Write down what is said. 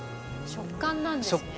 食感なんですね。